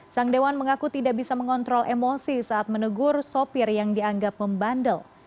sang dewan mengaku tidak bisa mengontrol emosi saat menegur sopir yang dianggap membandel